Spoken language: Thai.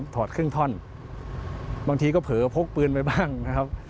ถอดครึ่งท่อนบางทีก็เผลอพกปืนไปบ้างนะครับ